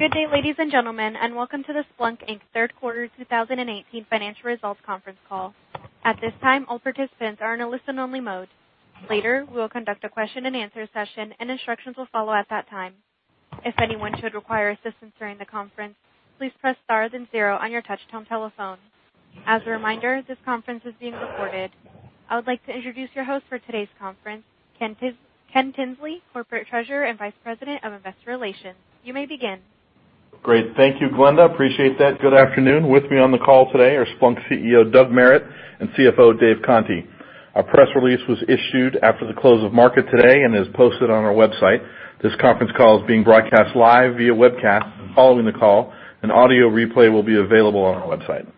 Good day, ladies and gentlemen, welcome to the Splunk Inc. Third Quarter 2018 Financial Results Conference Call. At this time, all participants are in a listen-only mode. Later, we will conduct a question and answer session, instructions will follow at that time. If anyone should require assistance during the conference, please press star then zero on your touchtone telephone. As a reminder, this conference is being recorded. I would like to introduce your host for today's conference, Ken Tinsley, Corporate Treasurer and Vice President of Investor Relations. You may begin. Great. Thank you, Glenda. Appreciate that. Good afternoon. With me on the call today are Splunk CEO, Doug Merritt, and CFO, Dave Conte. Our press release was issued after the close of market today is posted on our website. This conference call is being broadcast live via webcast. Following the call, an audio replay will be available on our website.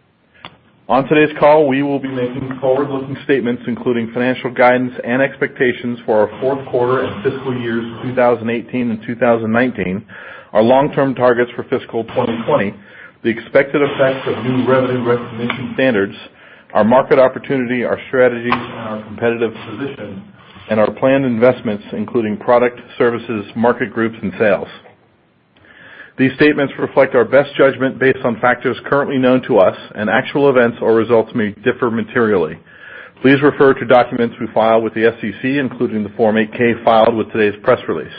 On today's call, we will be making forward-looking statements, including financial guidance and expectations for our fourth quarter and fiscal years 2018 and 2019, our long-term targets for fiscal 2020, the expected effects of new revenue recognition standards, our market opportunity, our strategies, our competitive position, our planned investments, including product, services, market groups, and sales. These statements reflect our best judgment based on factors currently known to us, actual events or results may differ materially. Please refer to documents we file with the SEC, including the Form 8-K filed with today's press release.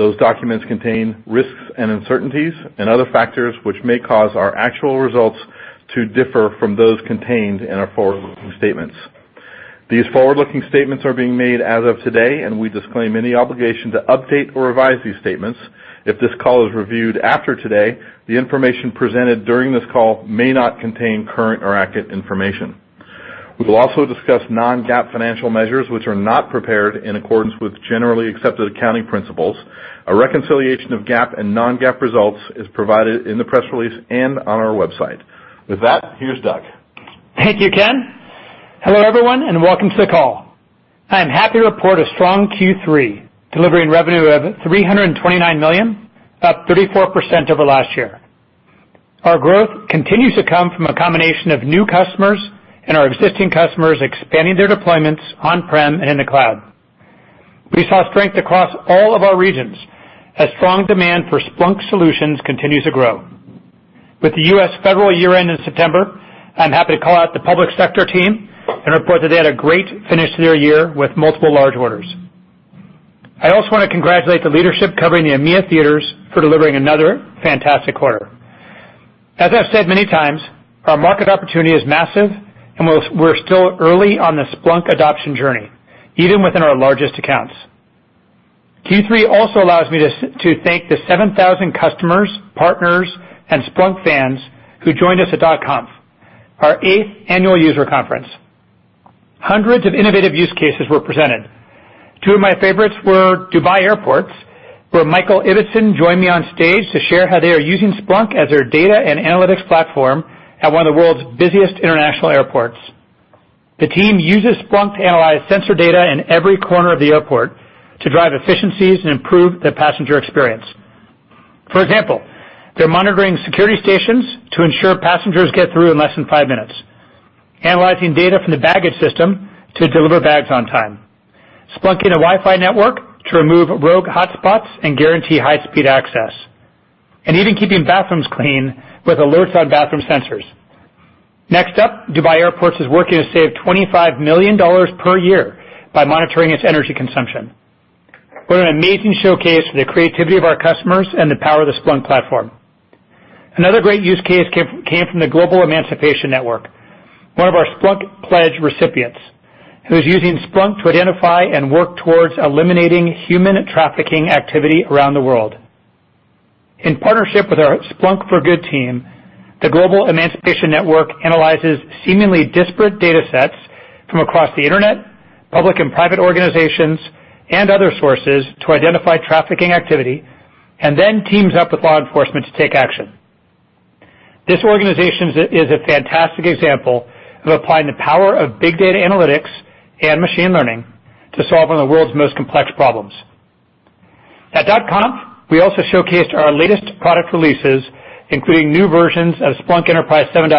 Those documents contain risks and uncertainties other factors which may cause our actual results to differ from those contained in our forward-looking statements. These forward-looking statements are being made as of today, we disclaim any obligation to update or revise these statements. If this call is reviewed after today, the information presented during this call may not contain current or accurate information. We will also discuss non-GAAP financial measures which are not prepared in accordance with generally accepted accounting principles. A reconciliation of GAAP and non-GAAP results is provided in the press release on our website. With that, here's Doug. Thank you, Ken. Hello, everyone, welcome to the call. I am happy to report a strong Q3, delivering revenue of $329 million, up 34% over last year. Our growth continues to come from a combination of new customers our existing customers expanding their deployments on-prem and in the cloud. We saw strength across all of our regions as strong demand for Splunk solutions continues to grow. With the U.S. federal year-end in September, I'm happy to call out the public sector team report that they had a great finish to their year with multiple large orders. I also want to congratulate the leadership covering the EMEA theaters for delivering another fantastic quarter. As I've said many times, our market opportunity is massive, we're still early on the Splunk adoption journey, even within our largest accounts. Q3 also allows me to thank the 7,000 customers, partners, and Splunk fans who joined us at .conf, our eighth annual user conference. Hundreds of innovative use cases were presented. Two of my favorites were Dubai Airports, where Michael Ibbitson joined me on stage to share how they are using Splunk as their data and analytics platform at one of the world's busiest international airports. The team uses Splunk to analyze sensor data in every corner of the airport to drive efficiencies and improve the passenger experience. For example, they're monitoring security stations to ensure passengers get through in less than five minutes, analyzing data from the baggage system to deliver bags on time, Splunking a Wi-Fi network to remove rogue hotspots and guarantee high-speed access, and even keeping bathrooms clean with alerts on bathroom sensors. Next up, Dubai Airports is working to save $25 million per year by monitoring its energy consumption. What an amazing showcase for the creativity of our customers and the power of the Splunk platform. Another great use case came from the Global Emancipation Network, one of our Splunk Pledge recipients, who is using Splunk to identify and work towards eliminating human trafficking activity around the world. In partnership with our Splunk for Good team, the Global Emancipation Network analyzes seemingly disparate data sets from across the Internet, public and private organizations, and other sources to identify trafficking activity, and then teams up with law enforcement to take action. This organization is a fantastic example of applying the power of big data analytics and machine learning to solve one of the world's most complex problems. At .conf, we also showcased our latest product releases, including new versions of Splunk Enterprise 7.0,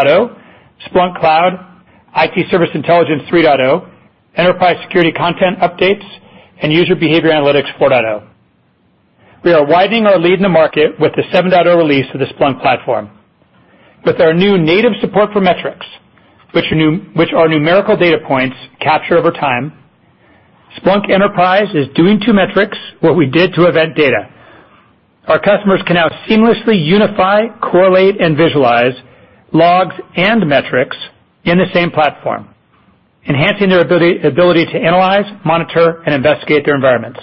Splunk Cloud, IT Service Intelligence 3.0, Enterprise Security content updates, and User Behavior Analytics 4.0. We are widening our lead in the market with the 7.0 release of the Splunk platform. With our new native support for metrics, which are numerical data points captured over time, Splunk Enterprise is doing to metrics what we did to event data. Our customers can now seamlessly unify, correlate, and visualize logs and metrics in the same platform, enhancing their ability to analyze, monitor, and investigate their environments.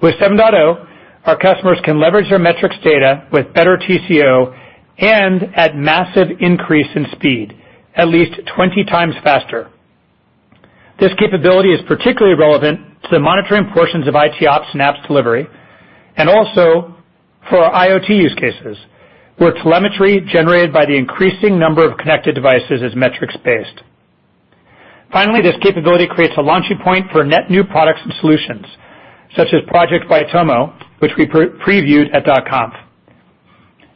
With 7.0, our customers can leverage their metrics data with better TCO and at massive increase in speed, at least 20 times faster. This capability is particularly relevant to the monitoring portions of IT ops and apps delivery, and also for our IoT use cases, where telemetry generated by the increasing number of connected devices is metrics-based. Finally, this capability creates a launching point for net new products and solutions, such as Project Waitomo, which we previewed at .conf.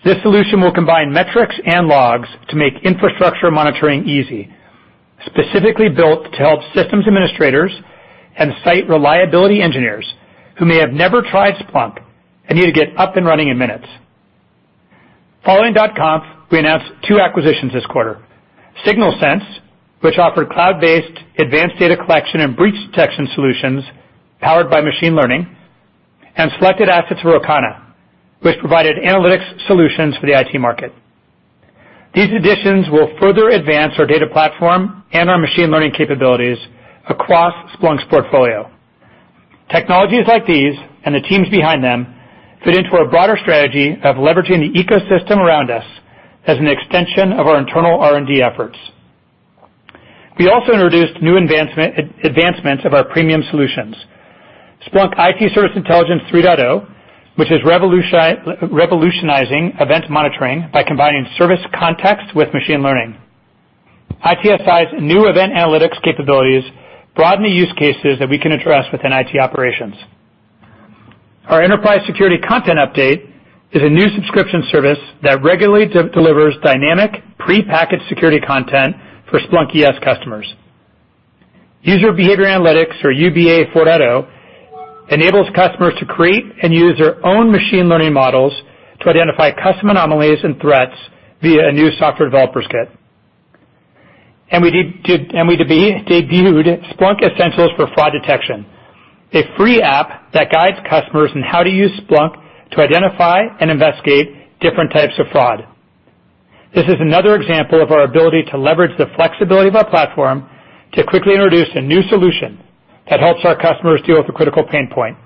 This solution will combine metrics and logs to make infrastructure monitoring easy. Specifically built to help systems administrators and site reliability engineers who may have never tried Splunk and need to get up and running in minutes. Following .conf, we announced two acquisitions this quarter. SignalSense, which offered cloud-based advanced data collection and breach detection solutions powered by machine learning, and selected assets for Rocana, which provided analytics solutions for the IT market. These additions will further advance our data platform and our machine learning capabilities across Splunk's portfolio. Technologies like these, and the teams behind them, fit into our broader strategy of leveraging the ecosystem around us as an extension of our internal R&D efforts. We also introduced new advancements of our premium solutions. Splunk IT Service Intelligence 3.0, which is revolutionizing event monitoring by combining service context with machine learning. ITSI's new event analytics capabilities broaden the use cases that we can address within IT operations. Our enterprise security content update is a new subscription service that regularly delivers dynamic prepackaged security content for Splunk ES customers. User behavior analytics, or UBA 4.0, enables customers to create and use their own machine learning models to identify custom anomalies and threats via a new software developers kit. We debuted Splunk Essentials for Fraud Detection, a free app that guides customers on how to use Splunk to identify and investigate different types of fraud. This is another example of our ability to leverage the flexibility of our platform to quickly introduce a new solution that helps our customers deal with a critical pain point.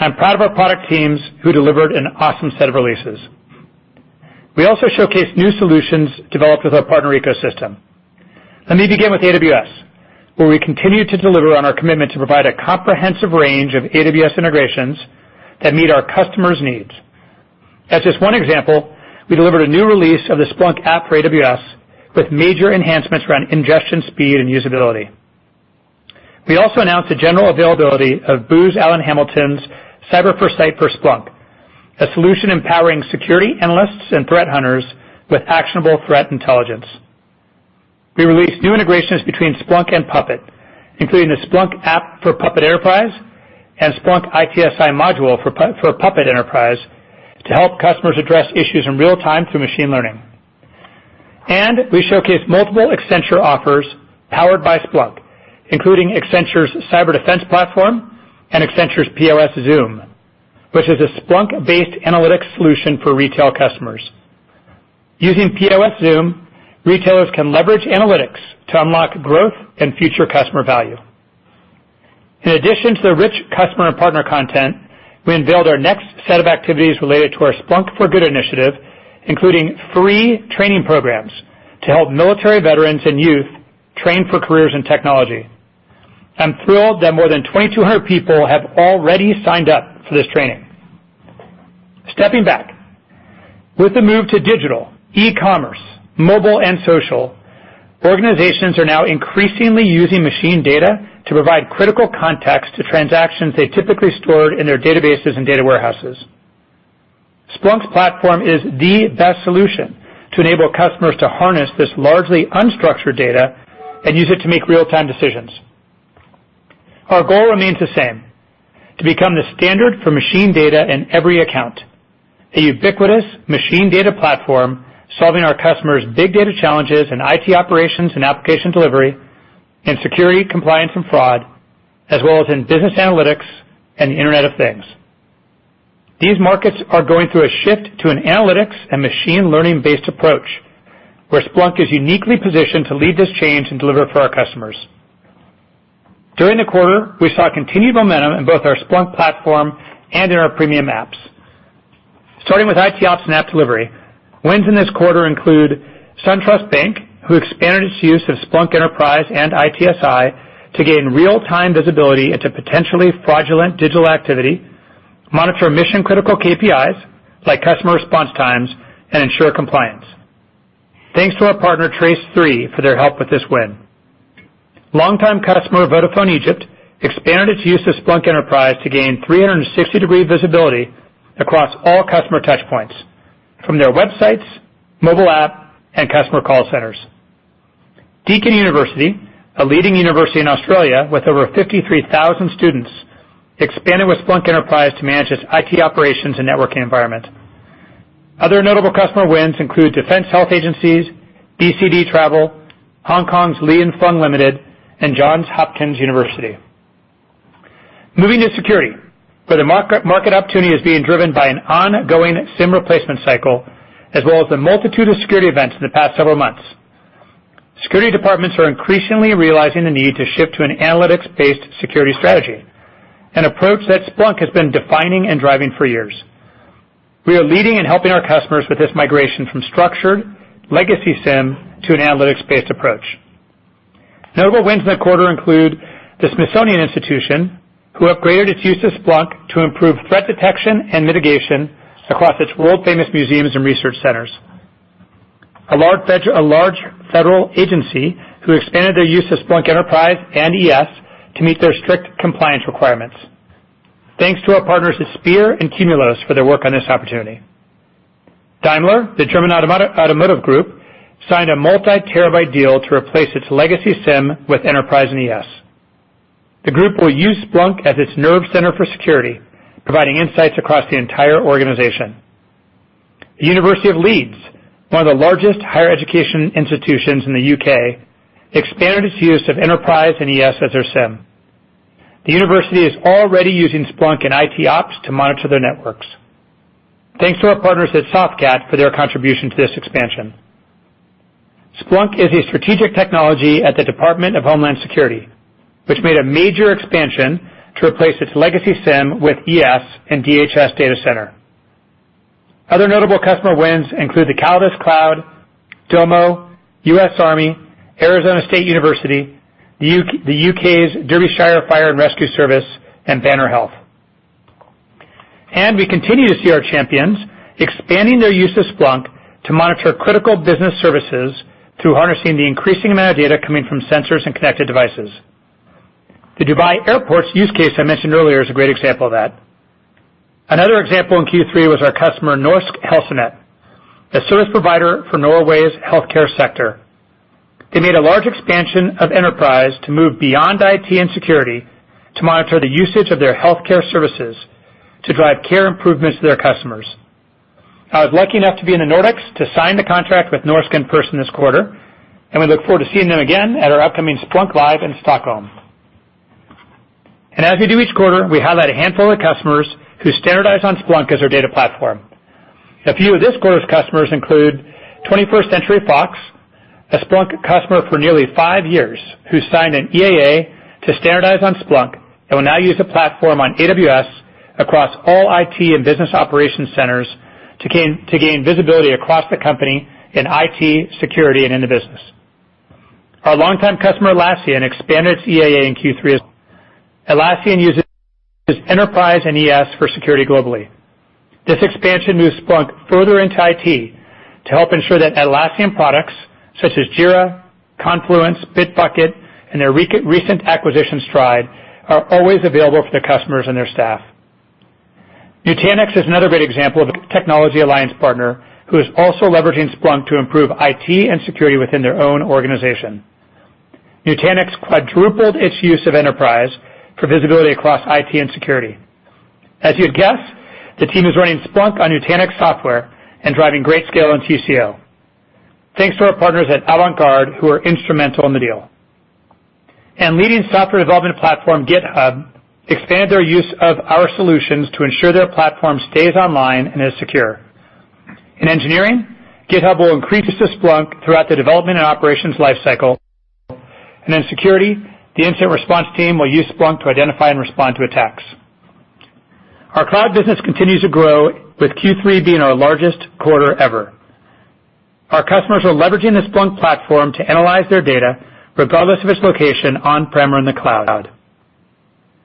I'm proud of our product teams who delivered an awesome set of releases. We also showcased new solutions developed with our partner ecosystem. Let me begin with AWS, where we continue to deliver on our commitment to provide a comprehensive range of AWS integrations that meet our customers' needs. As just one example, we delivered a new release of the Splunk app for AWS with major enhancements around ingestion speed and usability. We also announced the general availability of Booz Allen Hamilton's Cyber4Sight for Splunk, a solution empowering security analysts and threat hunters with actionable threat intelligence. We released new integrations between Splunk and Puppet, including a Splunk app for Puppet Enterprise and Splunk ITSI module for Puppet Enterprise to help customers address issues in real time through machine learning. We showcased multiple Accenture offers powered by Splunk, including Accenture's Cyber Defense Platform and Accenture's POS Zoom, which is a Splunk-based analytics solution for retail customers. Using POS Zoom, retailers can leverage analytics to unlock growth and future customer value. In addition to the rich customer and partner content, we unveiled our next set of activities related to our Splunk for Good initiative, including free training programs to help military veterans and youth train for careers in technology. I'm thrilled that more than 2,200 people have already signed up for this training. Stepping back. With the move to digital, e-commerce, mobile, and social, organizations are now increasingly using machine data to provide critical context to transactions they typically stored in their databases and data warehouses. Splunk's platform is the best solution to enable customers to harness this largely unstructured data and use it to make real-time decisions. Our goal remains the same, to become the standard for machine data in every account, a ubiquitous machine data platform solving our customers' big data challenges in IT operations and application delivery, in security, compliance, and fraud, as well as in business analytics and the Internet of Things. These markets are going through a shift to an analytics and machine learning-based approach, where Splunk is uniquely positioned to lead this change and deliver for our customers. During the quarter, we saw continued momentum in both our Splunk platform and in our premium apps. Starting with IT Ops and app delivery, wins in this quarter include SunTrust Bank, who expanded its use of Splunk Enterprise and ITSI to gain real-time visibility into potentially fraudulent digital activity, monitor mission-critical KPIs, like customer response times, and ensure compliance. Thanks to our partner Trace3 for their help with this win. Long-time customer Vodafone Egypt expanded its use of Splunk Enterprise to gain 360-degree visibility across all customer touch points, from their websites, mobile app, and customer call centers. Deakin University, a leading university in Australia with over 53,000 students, expanded with Splunk Enterprise to manage its IT operations and networking environment. Other notable customer wins include Defense Health Agencies, BCD Travel, Hong Kong's Li & Fung Limited, and Johns Hopkins University. Moving to security, where the market opportunity is being driven by an ongoing SIEM replacement cycle, as well as the multitude of security events in the past several months. Security departments are increasingly realizing the need to shift to an analytics-based security strategy, an approach that Splunk has been defining and driving for years. We are leading in helping our customers with this migration from structured legacy SIEM to an analytics-based approach. Notable wins in the quarter include the Smithsonian Institution, who upgraded its use of Splunk to improve threat detection and mitigation across its world-famous museums and research centers. A large federal agency who expanded their use of Splunk Enterprise and ES to meet their strict compliance requirements. Thanks to our partners Spear and Qmulos for their work on this opportunity. Daimler, the German automotive group, signed a multi-terabyte deal to replace its legacy SIEM with Enterprise and ES. The group will use Splunk as its nerve center for security, providing insights across the entire organization. The University of Leeds, one of the largest higher education institutions in the U.K., expanded its use of Enterprise and ES as their SIEM. The university is already using Splunk and IT Ops to monitor their networks. Thanks to our partners at Softcat for their contribution to this expansion. Splunk is a strategic technology at the Department of Homeland Security, which made a major expansion to replace its legacy SIEM with ES and DHS Data Center. Other notable customer wins include the CallidusCloud, Domo, US Army, Arizona State University, the U.K.'s Derbyshire Fire and Rescue Service, and Banner Health. We continue to see our champions expanding their use of Splunk to monitor critical business services through harnessing the increasing amount of data coming from sensors and connected devices. The Dubai Airports' use case I mentioned earlier is a great example of that. Another example in Q3 was our customer, Norsk Helsenett, a service provider for Norway's healthcare sector. They made a large expansion of Enterprise to move beyond IT and security to monitor the usage of their healthcare services to drive care improvements to their customers. I was lucky enough to be in the Nordics to sign the contract with Norsk in person this quarter, and we look forward to seeing them again at our upcoming Splunk Live in Stockholm. As we do each quarter, we highlight a handful of customers who standardize on Splunk as their data platform. A few of this quarter's customers include 21st Century Fox, a Splunk customer for nearly five years, who signed an EAA to standardize on Splunk and will now use the platform on AWS across all IT and business operation centers to gain visibility across the company in IT, security, and in the business. Our longtime customer, Atlassian, expanded its EAA in Q3 as well. Atlassian uses Enterprise and ES for security globally. This expansion moves Splunk further into IT to help ensure that Atlassian products such as Jira, Confluence, Bitbucket, and their recent acquisition Stride, are always available for their customers and their staff. Nutanix is another great example of a technology alliance partner who is also leveraging Splunk to improve IT and security within their own organization. Nutanix quadrupled its use of Enterprise for visibility across IT and security. As you'd guess, the team is running Splunk on Nutanix software and driving great scale in TCO. Thanks to our partners at AVANT who are instrumental in the deal. Leading software development platform GitHub expanded their use of our solutions to ensure their platform stays online and is secure. In engineering, GitHub will increase its use Splunk throughout the development and operations life cycle. In security, the incident response team will use Splunk to identify and respond to attacks. Our Cloud business continues to grow, with Q3 being our largest quarter ever. Our customers are leveraging the Splunk platform to analyze their data regardless of its location on-prem or in the Cloud.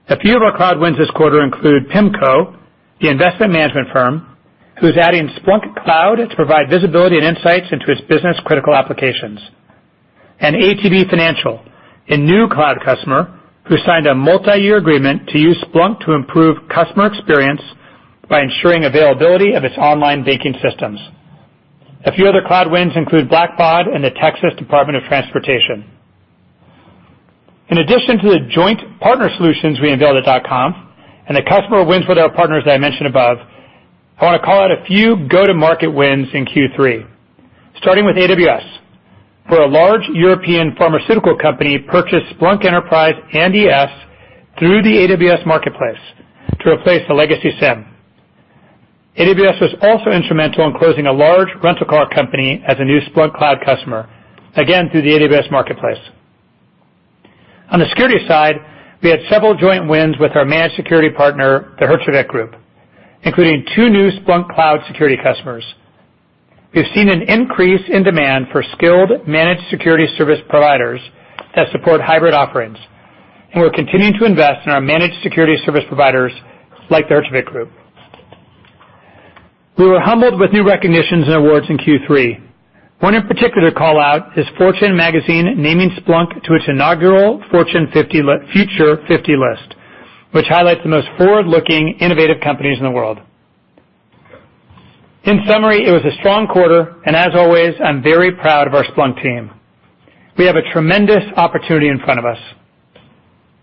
A few of our Cloud wins this quarter include PIMCO, the investment management firm, who's adding Splunk Cloud to provide visibility and insights into its business-critical applications, and ATB Financial, a new Cloud customer, who signed a multi-year agreement to use Splunk to improve customer experience by ensuring availability of its online banking systems. A few other Cloud wins include Blackboard and the Texas Department of Transportation. In addition to the joint partner solutions we unveiled at .conf, the customer wins with our partners that I mentioned above, I want to call out a few go-to-market wins in Q3, starting with AWS, where a large European pharmaceutical company purchased Splunk Enterprise and ES through the AWS Marketplace to replace the legacy SIEM. AWS was also instrumental in closing a large rental car company as a new Splunk Cloud customer, again, through the AWS Marketplace. On the security side, we had several joint wins with our managed security partner, the Herjavec Group, including two new Splunk Cloud security customers. We've seen an increase in demand for skilled managed security service providers that support hybrid offerings, and we're continuing to invest in our managed security service providers like the Herjavec Group. We were humbled with new recognitions and awards in Q3. One in particular to call out is Fortune magazine naming Splunk to its inaugural Future 50 list, which highlights the most forward-looking innovative companies in the world. In summary, it was a strong quarter, and as always, I'm very proud of our Splunk team. We have a tremendous opportunity in front of us.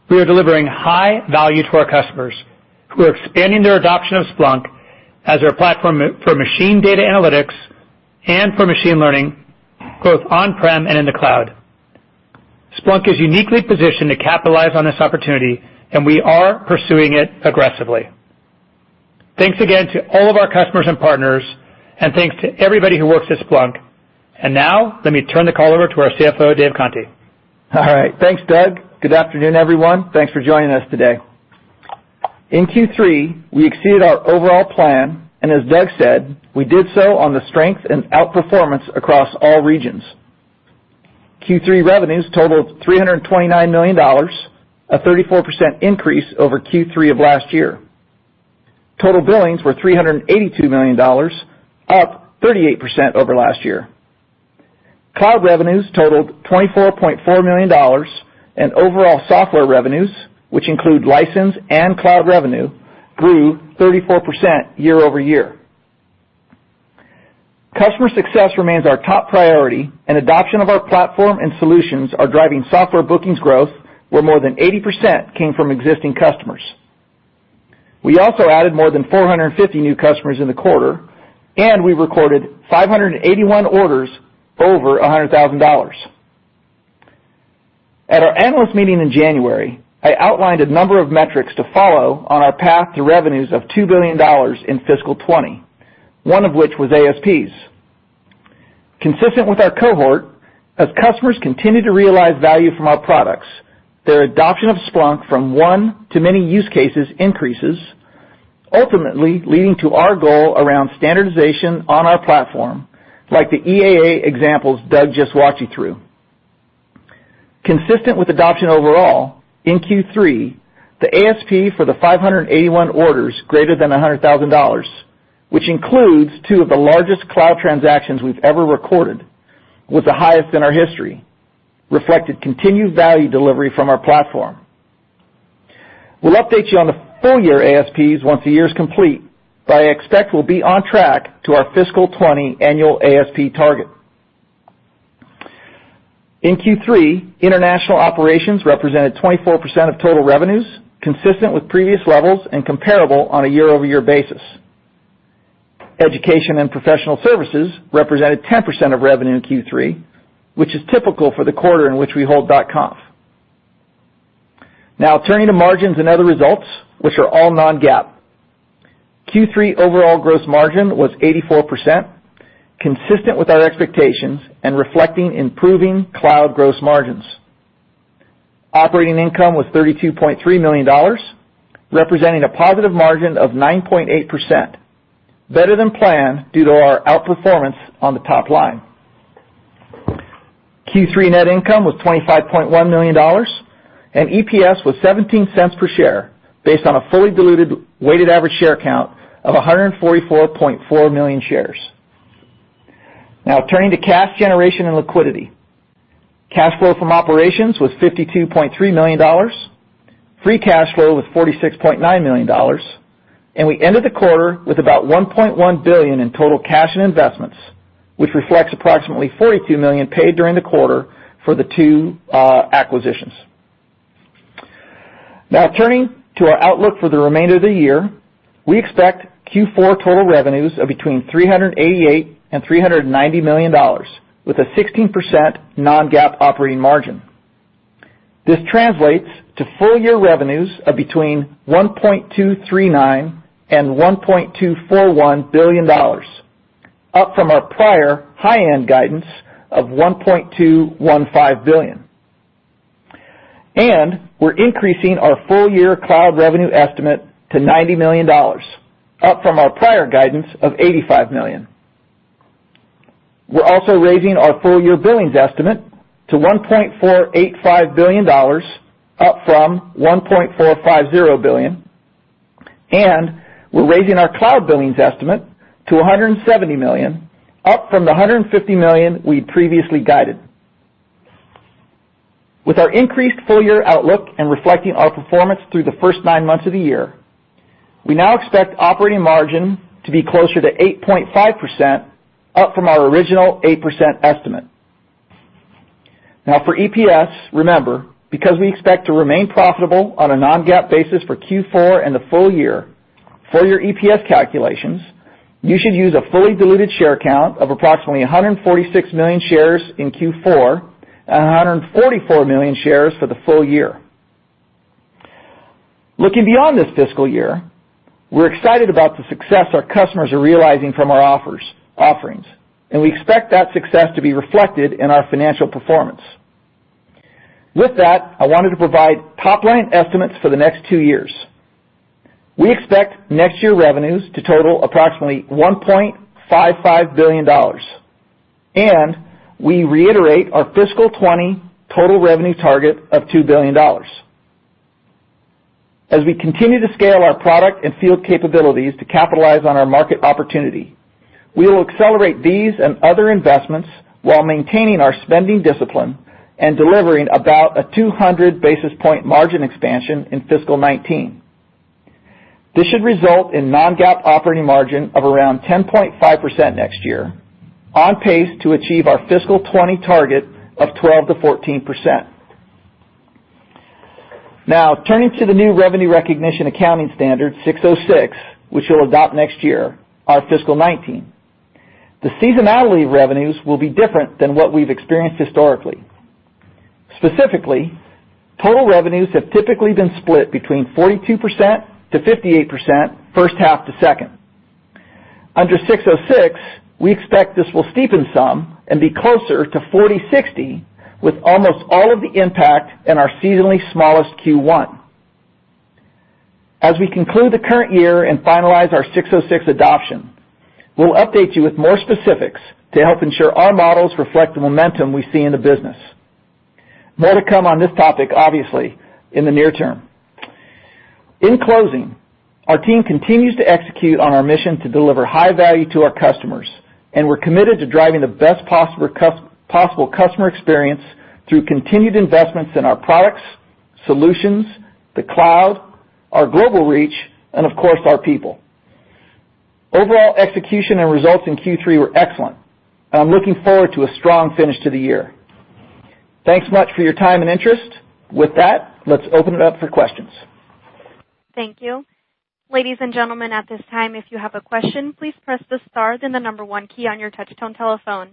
We are delivering high value to our customers who are expanding their adoption of Splunk as their platform for machine data analytics and for machine learning, both on-prem and in the Cloud. Splunk is uniquely positioned to capitalize on this opportunity, and we are pursuing it aggressively. Thanks again to all of our customers and partners, and thanks to everybody who works at Splunk. Now let me turn the call over to our CFO, Dave Conte. All right. Thanks, Doug. Good afternoon, everyone. Thanks for joining us today. In Q3, we exceeded our overall plan, and as Doug said, we did so on the strength and outperformance across all regions. Q3 revenues totaled $329 million, a 34% increase over Q3 of last year. Total billings were $382 million, up 38% over last year. Cloud revenues totaled $24.4 million, and overall software revenues, which include license and cloud revenue, grew 34% year over year. Customer success remains our top priority, and adoption of our platform and solutions are driving software bookings growth, where more than 80% came from existing customers. We also added more than 450 new customers in the quarter, and we recorded 581 orders over $100,000. At our analyst meeting in January, I outlined a number of metrics to follow on our path to revenues of $2 billion in fiscal 2020, one of which was ASPs. Consistent with our cohort, as customers continue to realize value from our products, their adoption of Splunk from one to many use cases increases, ultimately leading to our goal around standardization on our platform, like the EAA examples Doug just walked you through. Consistent with adoption overall, in Q3, the ASP for the 581 orders greater than $100,000, which includes two of the largest cloud transactions we've ever recorded, was the highest in our history, reflected continued value delivery from our platform. We'll update you on the full year ASPs once the year is complete, but I expect we'll be on track to our fiscal 2020 annual ASP target. In Q3, international operations represented 24% of total revenues, consistent with previous levels and comparable on a year-over-year basis. Education and professional services represented 10% of revenue in Q3, which is typical for the quarter in which we hold .conf. Turning to margins and other results, which are all non-GAAP. Q3 overall gross margin was 84%, consistent with our expectations and reflecting improving cloud gross margins. Operating income was $32.3 million, representing a positive margin of 9.8%, better than planned due to our outperformance on the top line. Q3 net income was $25.1 million, and EPS was $0.17 per share, based on a fully diluted weighted average share count of 144.4 million shares. Turning to cash generation and liquidity. Cash flow from operations was $52.3 million. Free cash flow was $46.9 million, we ended the quarter with about $1.1 billion in total cash and investments, which reflects approximately $42 million paid during the quarter for the two acquisitions. Turning to our outlook for the remainder of the year. We expect Q4 total revenues of between $388 million and $390 million, with a 16% non-GAAP operating margin. This translates to full-year revenues of between $1.239 billion and $1.241 billion, up from our prior high-end guidance of $1.215 billion. We're increasing our full-year cloud revenue estimate to $90 million, up from our prior guidance of $85 million. We're also raising our full-year billings estimate to $1.485 billion, up from $1.450 billion, we're raising our cloud billings estimate to $170 million, up from the $150 million we'd previously guided. With our increased full-year outlook and reflecting our performance through the first nine months of the year, we now expect operating margin to be closer to 8.5%, up from our original 8% estimate. For EPS, remember, because we expect to remain profitable on a non-GAAP basis for Q4 and the full year, for your EPS calculations, you should use a fully diluted share count of approximately 146 million shares in Q4 and 144 million shares for the full year. Looking beyond this fiscal year, we're excited about the success our customers are realizing from our offerings, we expect that success to be reflected in our financial performance. With that, I wanted to provide top-line estimates for the next two years. We expect next year revenues to total approximately $1.55 billion, we reiterate our fiscal 2020 total revenue target of $2 billion. As we continue to scale our product and field capabilities to capitalize on our market opportunity, we will accelerate these and other investments while maintaining our spending discipline and delivering about a 200 basis point margin expansion in fiscal 2019. This should result in non-GAAP operating margin of around 10.5% next year, on pace to achieve our fiscal 2020 target of 12%-14%. Turning to the new revenue recognition accounting standard, ASC 606, which we'll adopt next year, our fiscal 2019. The seasonality of revenues will be different than what we've experienced historically. Specifically, total revenues have typically been split between 42%-58%, first half to second. Under ASC 606, we expect this will steepen some and be closer to 40/60, with almost all of the impact in our seasonally smallest Q1. As we conclude the current year, finalize our ASC 606 adoption, we'll update you with more specifics to help ensure our models reflect the momentum we see in the business. More to come on this topic, obviously, in the near term. Our team continues to execute on our mission to deliver high value to our customers, we're committed to driving the best possible customer experience through continued investments in our products, solutions, the cloud, our global reach, and of course, our people. Overall execution and results in Q3 were excellent. I'm looking forward to a strong finish to the year. Thanks much for your time and interest. Let's open it up for questions. Thank you. Ladies and gentlemen, at this time, if you have a question, please press the star then the number one key on your touch tone telephone.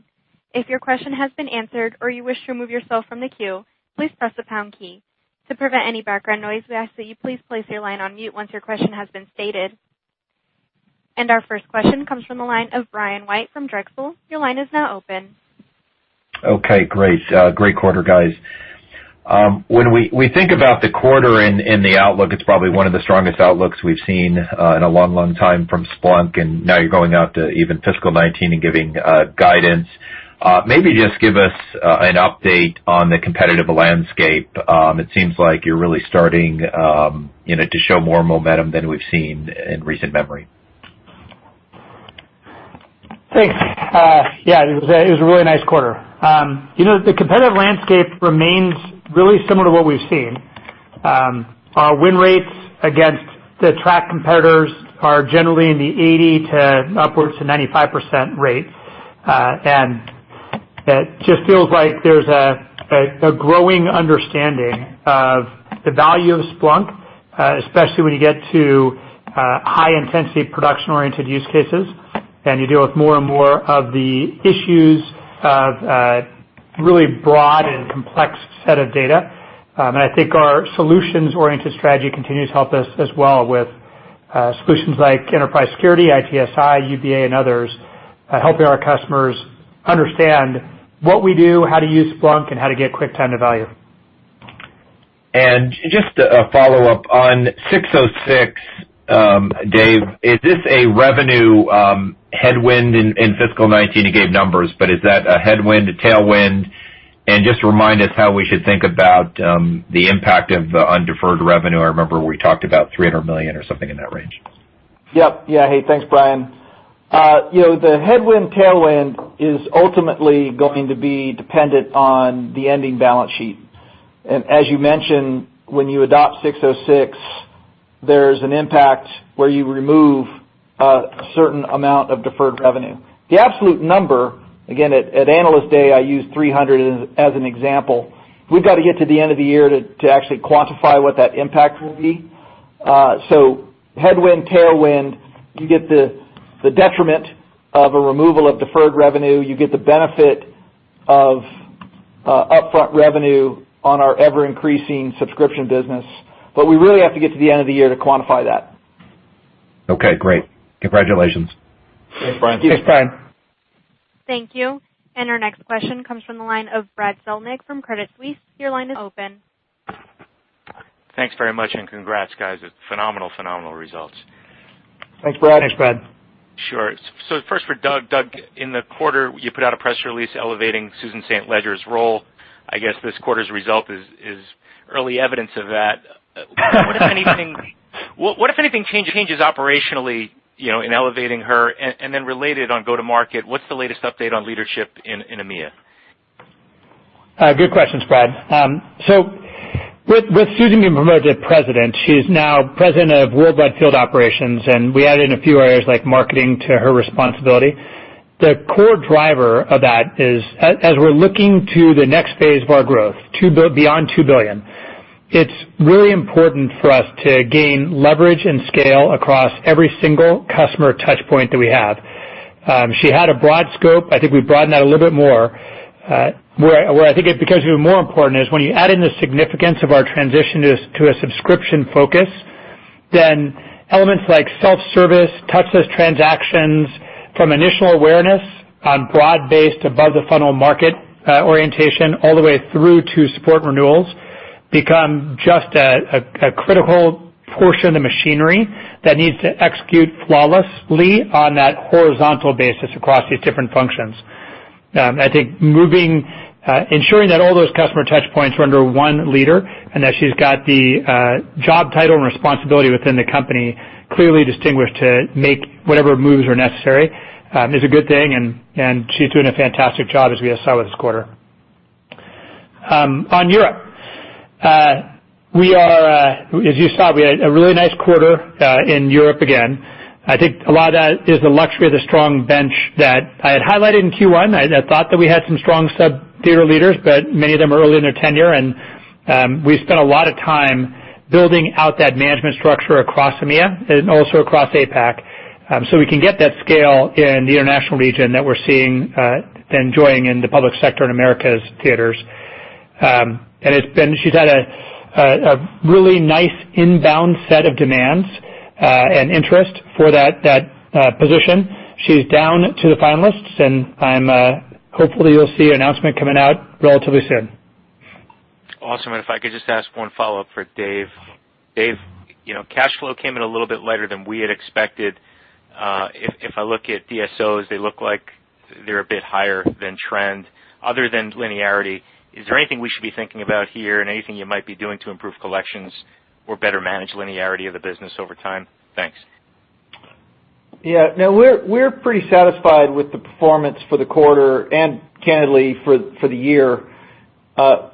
If your question has been answered or you wish to remove yourself from the queue, please press the pound key. To prevent any background noise, we ask that you please place your line on mute once your question has been stated. Our first question comes from the line of Brian White from Drexel. Your line is now open. Okay, great. Great quarter, guys. When we think about the quarter and the outlook, it's probably one of the strongest outlooks we've seen in a long time from Splunk. Now you're going out to even fiscal 2019 and giving guidance. Maybe just give us an update on the competitive landscape. It seems like you're really starting to show more momentum than we've seen in recent memory. Thanks. Yeah, it was a really nice quarter. The competitive landscape remains really similar to what we've seen. Our win rates against the track competitors are generally in the 80% to upwards to 95% rates. It just feels like there's a growing understanding of the value of Splunk, especially when you get to high intensity production-oriented use cases, and you deal with more and more of the issues of a really broad and complex set of data. I think our solutions-oriented strategy continues to help us as well with solutions like Enterprise Security, ITSI, UBA, and others, helping our customers understand what we do, how to use Splunk, and how to get quick time to value. Just a follow-up. On 606, Dave, is this a revenue headwind in fiscal 2019? You gave numbers, but is that a headwind, a tailwind? Just remind us how we should think about the impact of the undeferred revenue. I remember we talked about $300 million or something in that range. Yep. Yeah. Hey, thanks, Brian. The headwind/tailwind is ultimately going to be dependent on the ending balance sheet. As you mentioned, when you adopt 606, there's an impact where you remove a certain amount of deferred revenue. The absolute number, again, at Analyst Day, I used 300 as an example. We've got to get to the end of the year to actually quantify what that impact will be. Headwind, tailwind, you get the detriment of a removal of deferred revenue. You get the benefit of upfront revenue on our ever-increasing subscription business. We really have to get to the end of the year to quantify that. Okay, great. Congratulations. Thanks, Brian. Thanks, Brian. Thank you. Our next question comes from the line of Brad Zelnick from Credit Suisse. Your line is open. Thanks very much, congrats, guys. Phenomenal results. Thanks, Brad. Thanks, Brad. Sure. First for Doug. Doug, in the quarter, you put out a press release elevating Susan St. Ledger's role. I guess this quarter's result is early evidence of that. What, if anything, changes operationally in elevating her? Related on go-to-market, what's the latest update on leadership in EMEA? Good question, Brad. With Susan being promoted to president, she's now president of worldwide field operations, and we added a few areas like marketing to her responsibility. The core driver of that is, as we're looking to the next phase of our growth, beyond $2 billion, it's really important for us to gain leverage and scale across every single customer touch point that we have. She had a broad scope. I think we broadened that a little bit more. Where I think it becomes even more important is when you add in the significance of our transition to a subscription focus, elements like self-service, touchless transactions from initial awareness on broad-based above the funnel market orientation, all the way through to support renewals, become just a critical portion of the machinery that needs to execute flawlessly on that horizontal basis across these different functions. I think ensuring that all those customer touch points were under one leader, and that she's got the job title and responsibility within the company clearly distinguished to make whatever moves are necessary, is a good thing, and she's doing a fantastic job as we just saw with this quarter. On Europe. As you saw, we had a really nice quarter in Europe again. I think a lot of that is the luxury of the strong bench that I had highlighted in Q1. I thought that we had some strong sub-theater leaders, many of them are early in their tenure, and we spent a lot of time building out that management structure across EMEA and also across APAC, so we can get that scale in the international region that we're seeing, enjoying in the public sector in America's theaters. She's had a really nice inbound set of demands and interest for that position. She's down to the finalists, hopefully you'll see an announcement coming out relatively soon. Awesome. If I could just ask one follow-up for Dave. Dave, cash flow came in a little bit lighter than we had expected. If I look at DSOs, they look like they're a bit higher than trend. Other than linearity, is there anything we should be thinking about here? Anything you might be doing to improve collections or better manage linearity of the business over time? Thanks. Yeah. No, we're pretty satisfied with the performance for the quarter and candidly for the year.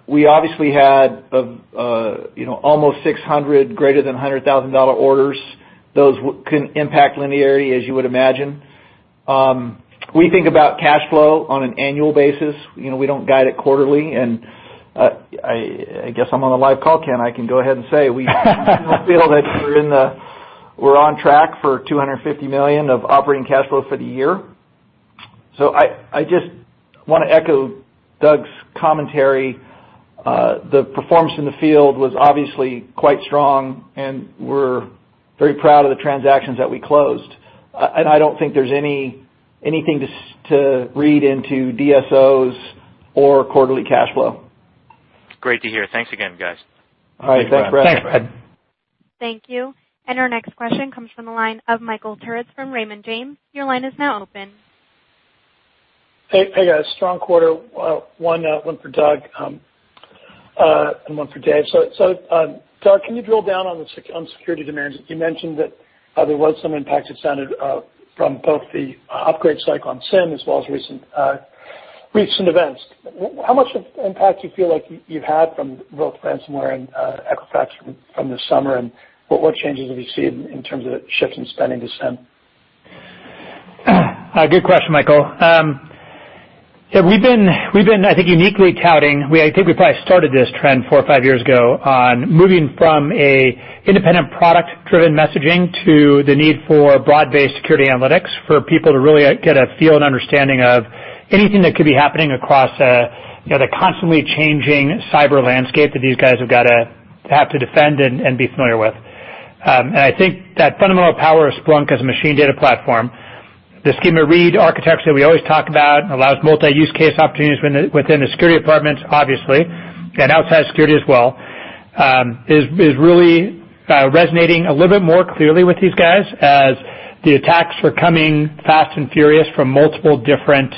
We obviously had almost 600 greater than $100,000 orders. Those can impact linearity, as you would imagine. We think about cash flow on an annual basis. We don't guide it quarterly. I guess I'm on a live call, Ken, I can go ahead and say we feel that we're on track for $250 million of operating cash flow for the year. I just want to echo Doug's commentary. The performance in the field was obviously quite strong, and we're very proud of the transactions that we closed. I don't think there's anything to read into DSOs or quarterly cash flow. Great to hear. Thanks again, guys. All right. Thanks, Brad. Thanks, Brad. Thank you. Our next question comes from the line of Michael Turits from Raymond James. Your line is now open. Hey, guys. Strong quarter. One for Doug, and one for Dave. Doug, can you drill down on security demands? You mentioned that there was some impact it sounded from both the upgrade cycle on SIEM as well as recent events. How much impact do you feel like you've had from both ransomware and Equifax from this summer, and what changes have you seen in terms of shifts in spending to SIEM? Good question, Michael. Yeah, we've been, I think, uniquely touting, I think we probably started this trend four or five years ago, on moving from an independent product-driven messaging to the need for broad-based security analytics for people to really get a feel and understanding of anything that could be happening across the constantly changing cyber landscape that these guys have to defend and be familiar with. I think that fundamental power of Splunk as a machine data platform, the schema-on-read architecture we always talk about allows multi-use case opportunities within the security department, obviously, and outside security as well. Is really resonating a little bit more clearly with these guys as the attacks were coming fast and furious from multiple different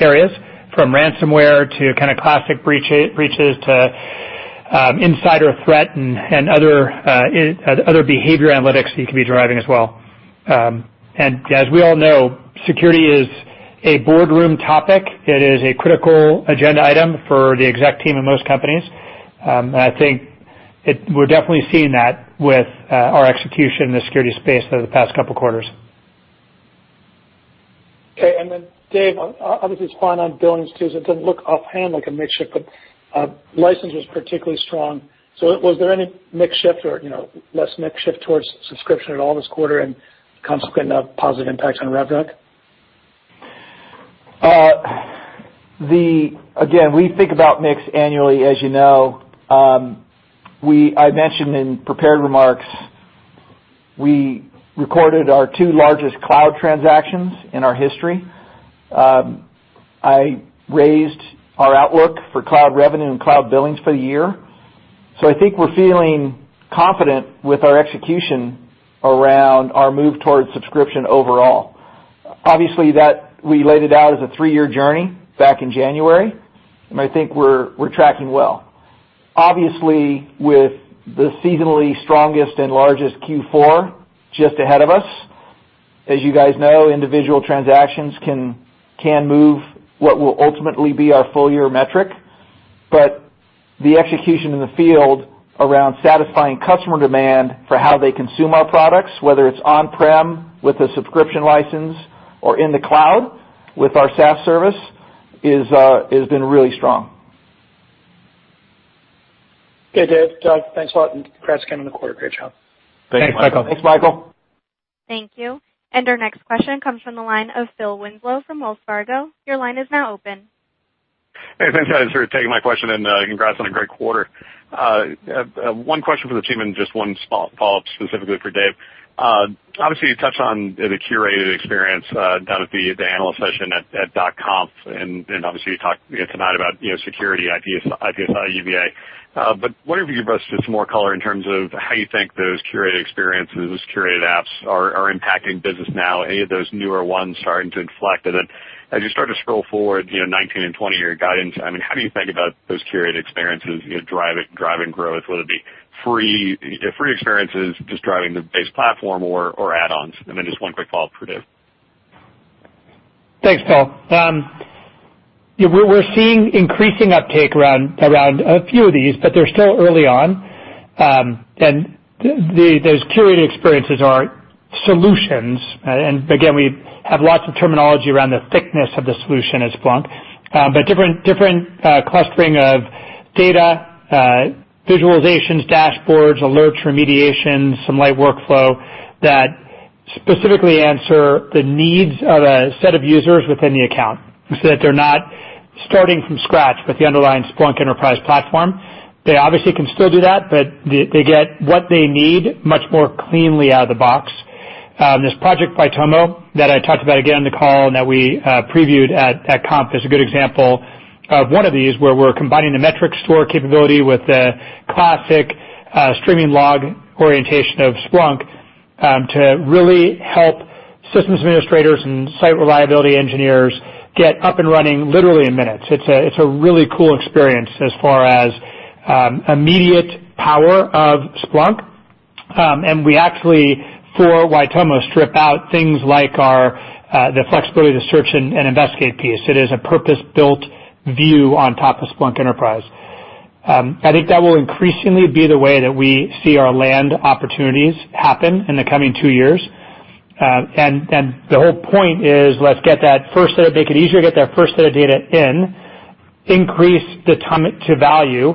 areas, from ransomware to kind of classic breaches, to insider threat and other behavior analytics that you can be deriving as well. As we all know, security is a boardroom topic. It is a critical agenda item for the exec team in most companies. I think we're definitely seeing that with our execution in the security space over the past couple of quarters. Okay. Dave, obviously, it's fine on billings too, because it doesn't look offhand like a mix shift, but license was particularly strong. Was there any mix shift or less mix shift towards subscription at all this quarter and consequent of positive impacts on rev rec? Again, we think about mix annually, as you know. I mentioned in prepared remarks, we recorded our two largest cloud transactions in our history. I raised our outlook for cloud revenue and cloud billings for the year. I think we're feeling confident with our execution around our move towards subscription overall. Obviously, that we laid it out as a three-year journey back in January, I think we're tracking well. Obviously, with the seasonally strongest and largest Q4 just ahead of us. You guys know, individual transactions can move what will ultimately be our full-year metric. The execution in the field around satisfying customer demand for how they consume our products, whether it's on-prem, with a subscription license or in the cloud with our SaaS service, has been really strong. Okay, Dave, Doug, thanks a lot, congrats again on the quarter. Great job. Thanks, Michael. Thanks, Michael. Thank you. Our next question comes from the line of Philip Winslow from Wells Fargo. Your line is now open. Hey, thanks, guys, for taking my question, congrats on a great quarter. One question for the team and just one small follow-up specifically for Dave. Obviously, you touched on the curated experience down at the analyst session at .conf, obviously, you talked tonight about security IT, UBA. Wondering if you could give us some more color in terms of how you think those curated experiences, curated apps are impacting business now, any of those newer ones starting to inflect? As you start to scroll forward 2019 and 2020 year guidance, how do you think about those curated experiences driving growth, whether it be free experiences just driving the base platform or add-ons? Just one quick follow-up for Dave. Thanks, Phil. We're seeing increasing uptake around a few of these, but they're still early on. Those curated experiences are solutions. Again, we have lots of terminology around the thickness of the solution at Splunk. Different clustering of data visualizations, dashboards, alerts, remediations, some light workflow that specifically answer the needs of a set of users within the account, so that they're not starting from scratch with the underlying Splunk Enterprise platform. They obviously can still do that, but they get what they need much more cleanly out of the box. This project by Waitomo that I talked about again on the call and that we previewed at .conf is a good example of one of these, where we're combining the metrics store capability with the classic streaming log orientation of Splunk to really help systems administrators and site reliability engineers get up and running literally in minutes. It's a really cool experience as far as immediate power of Splunk. We actually, for Waitomo, strip out things like the flexibility to search and investigate piece. It is a purpose-built view on top of Splunk Enterprise. I think that will increasingly be the way that we see our land opportunities happen in the coming two years. The whole point is, let's make it easier to get their first set of data in, increase the time to value,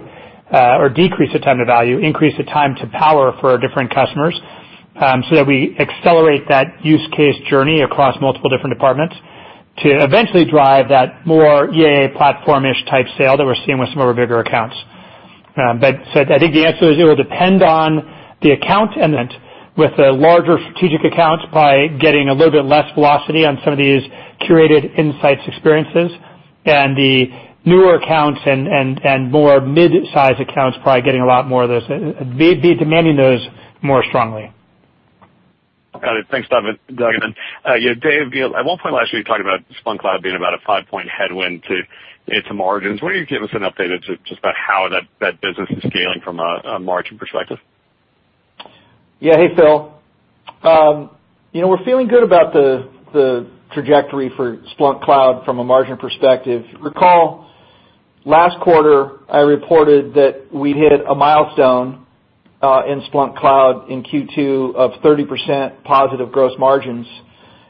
or decrease the time to value, increase the time to power for different customers, so that we accelerate that use case journey across multiple different departments to eventually drive that more EA platform-ish type sale that we're seeing with some of our bigger accounts. I think the answer is, it will depend on the account, and with the larger strategic accounts, by getting a little bit less velocity on some of these curated insights experiences, and the newer accounts and more mid-size accounts probably getting a lot more of those. They'd be demanding those more strongly. Got it. Thanks, Doug. Dave, at one point last year, you talked about Splunk Cloud being about a five-point headwind to its margins. Will you give us an update as to just about how that business is scaling from a margin perspective? Yeah. Hey, Phil. We're feeling good about the trajectory for Splunk Cloud from a margin perspective. Recall, last quarter, I reported that we'd hit a milestone, in Splunk Cloud in Q2, of 30% positive gross margins,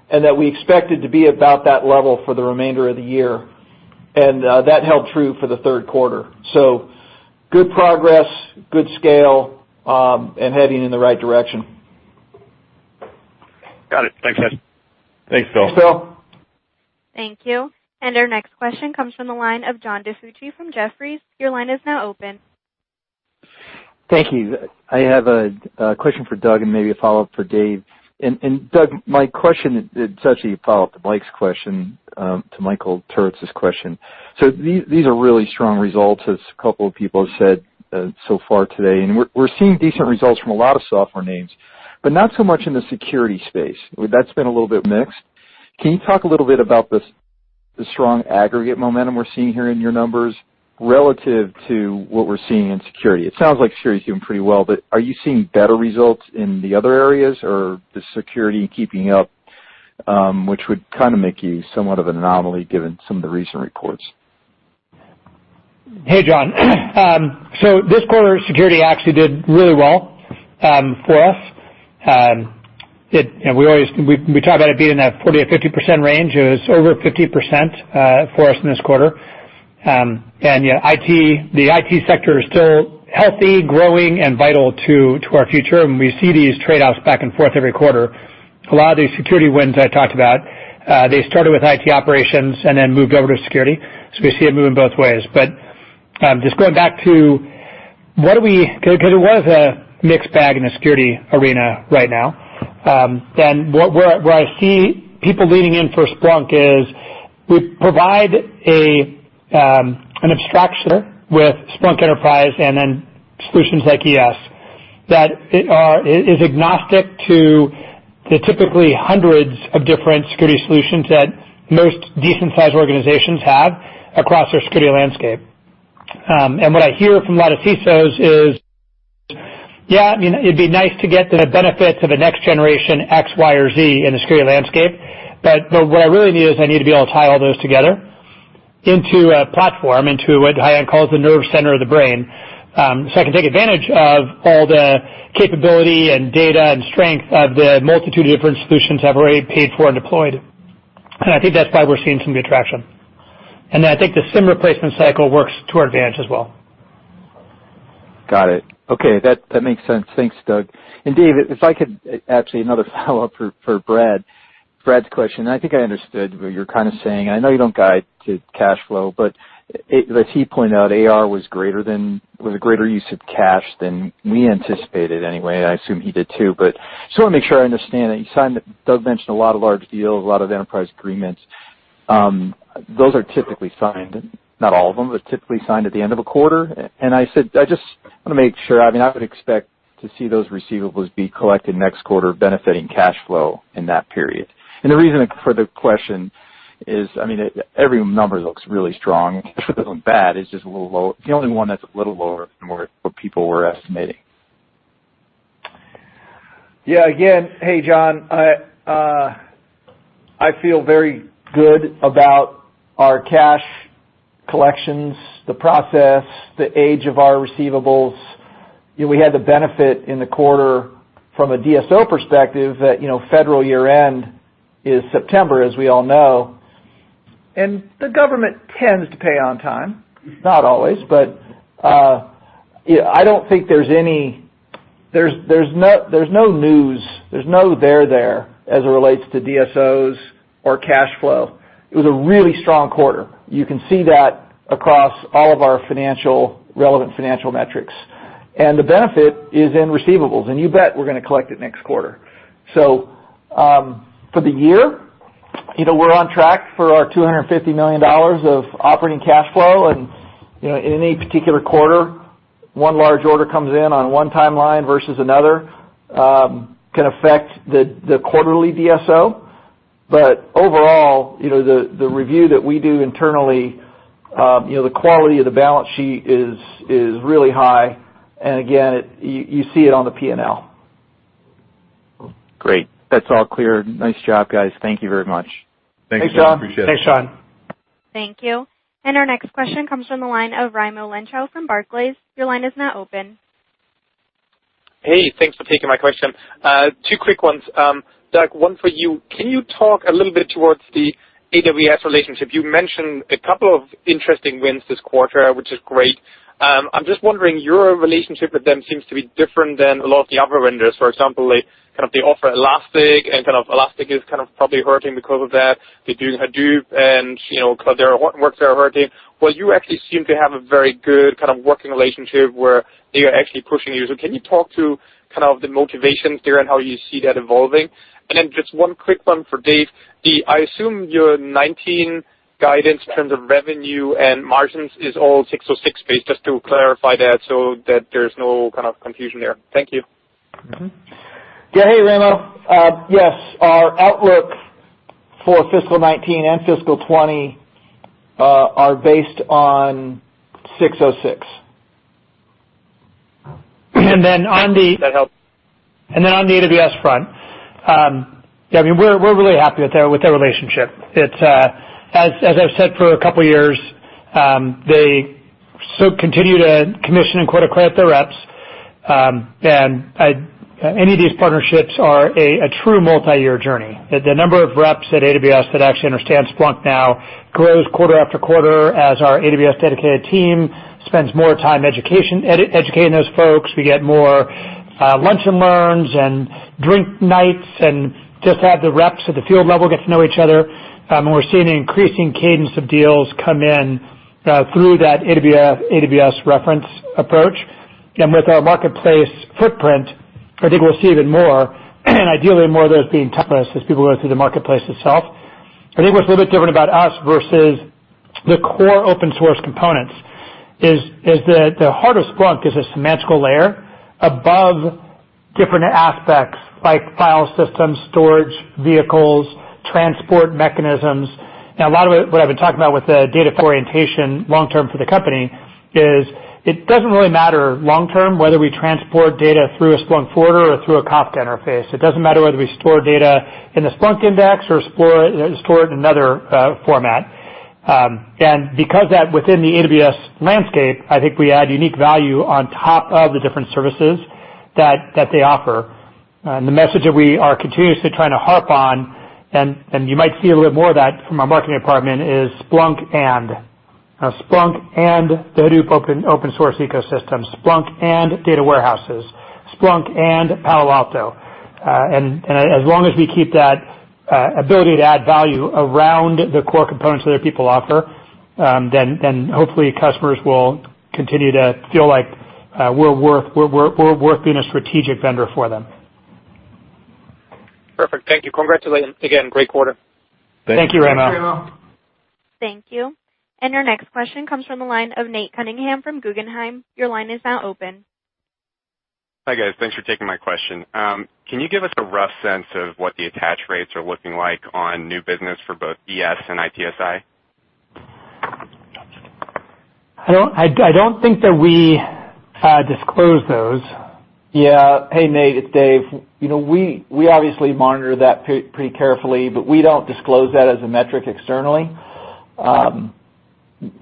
and that we expected to be about that level for the remainder of the year. That held true for the third quarter. Good progress, good scale, and heading in the right direction. Got it. Thanks, guys. Thanks, Phil. Thanks, Phil. Thank you. Our next question comes from the line of John DiFucci from Jefferies. Your line is now open. Thank you. I have a question for Doug and maybe a follow-up for Dave. Doug, my question, it's actually a follow-up to Mike's question, to Michael Turits' question. These are really strong results, as a couple of people have said so far today, and we're seeing decent results from a lot of software names, but not so much in the security space. That's been a little bit mixed. Can you talk a little bit about the strong aggregate momentum we're seeing here in your numbers relative to what we're seeing in security? It sounds like security's doing pretty well, but are you seeing better results in the other areas, or the security keeping up, which would kind of make you somewhat of an anomaly given some of the recent reports? Hey, John. This quarter, security actually did really well for us. We talk about it being in a 40% or 50% range. It was over 50% for us in this quarter. The IT sector is still healthy, growing, and vital to our future, and we see these trade-offs back and forth every quarter. A lot of these security wins I talked about, they started with IT operations and then moved over to security. We see it moving both ways. Just going back to Because it was a mixed bag in the security arena right now. Where I see people leaning in for Splunk is we provide an abstraction with Splunk Enterprise and then solutions like ES that is agnostic to the typically hundreds of different security solutions that most decent-sized organizations have across their security landscape. What I hear from a lot of CISOs is, "Yeah, it'd be nice to get the benefits of a next generation X, Y, or Z in a security landscape. What I really need is I need to be able to tie all those together into a platform, into what Haiyan calls the nerve center of the brain, so I can take advantage of all the capability and data and strength of the multitude of different solutions I've already paid for and deployed." I think that's why we're seeing some good traction. Then I think the SIEM replacement cycle works to our advantage as well. Got it. Okay, that makes sense. Thanks, Doug. Dave, if I could, actually another follow-up for Brad. Brad's question, I think I understood what you're kind of saying. I know you don't guide to cash flow, but as he pointed out, AR was a greater use of cash than we anticipated anyway. I assume he did too, but just want to make sure I understand that you signed, Doug mentioned a lot of large deals, a lot of enterprise agreements. Those are typically signed, not all of them, but typically signed at the end of a quarter. I just want to make sure, I would expect to see those receivables be collected next quarter benefiting cash flow in that period. The reason for the question is, every number looks really strong, nothing bad. It's just a little low. It's the only one that's a little lower than what people were estimating. Yeah. Again, hey, John. I feel very good about our cash collections, the process, the age of our receivables. We had the benefit in the quarter from a DSO perspective that federal year-end is September, as we all know. The government tends to pay on time, not always. I don't think there's no news, there's no there-there as it relates to DSOs or cash flow. It was a really strong quarter. You can see that across all of our relevant financial metrics. The benefit is in receivables, and you bet we're going to collect it next quarter. For the year we're on track for our $250 million of operating cash flow. In any particular quarter, one large order comes in on one timeline versus another, can affect the quarterly DSO. Overall, the review that we do internally, the quality of the balance sheet is really high. Again, you see it on the P&L. Great. That's all clear. Nice job, guys. Thank you very much. Thanks, John. Appreciate it. Thanks, John. Thank you. Our next question comes from the line of Raimo Lenschow from Barclays. Your line is now open. Hey, thanks for taking my question. Two quick ones. Doug, one for you. Can you talk a little bit towards the AWS relationship? You mentioned a couple of interesting wins this quarter, which is great. I'm just wondering, your relationship with them seems to be different than a lot of the other vendors. For example, they offer Elastic and Elastic is probably hurting because of that. They do Hadoop and because their works are working, while you actually seem to have a very good kind of working relationship where they are actually pushing you. Can you talk to the motivation there and how you see that evolving? Just one quick one for Dave. I assume your 2019 guidance in terms of revenue and margins is all 606-based, just to clarify that, so that there's no kind of confusion there. Thank you. Yeah. Hey, Raimo. Yes, our outlook for fiscal 2019 and fiscal 2020 are based on 606. On the- That helps. On the AWS front, we're really happy with their relationship. As I've said for a couple of years, they still continue to commission and quote-to-credit their reps. Any of these partnerships are a true multi-year journey. The number of reps at AWS that actually understand Splunk now grows quarter after quarter as our AWS dedicated team spends more time educating those folks. We get more lunch and learns, and drink nights, and just have the reps at the field level get to know each other. We're seeing an increasing cadence of deals come in through that AWS reference approach. With our marketplace footprint, I think we'll see even more, ideally more of those being touched as people go through the marketplace itself. I think what's a little bit different about us versus the core open source components is that the heart of Splunk is a semantical layer above different aspects like file systems, storage vehicles, transport mechanisms. A lot of it, what I've been talking about with the data orientation long-term for the company is it doesn't really matter long-term whether we transport data through a Splunk forwarder or through a Kafka interface. It doesn't matter whether we store data in the Splunk index or store it in another format. Because that within the AWS landscape, I think we add unique value on top of the different services that they offer. The message that we are continuously trying to harp on, you might see a little bit more of that from our marketing department, is Splunk and. Splunk and the Hadoop open source ecosystem. Splunk and data warehouses. Splunk and Palo Alto. As long as we keep that ability to add value around the core components that other people offer, then hopefully customers will continue to feel like we're worth being a strategic vendor for them. Perfect. Thank you. Congratulations again. Great quarter. Thank you, Raimo. Thanks, Raimo. Thank you. Our next question comes from the line of Nate Cunningham from Guggenheim. Your line is now open. Hi, guys. Thanks for taking my question. Can you give us a rough sense of what the attach rates are looking like on new business for both ES and ITSI? I don't think that we disclose those. Yeah. Hey, Nate, it's Dave. We obviously monitor that pretty carefully, but we don't disclose that as a metric externally.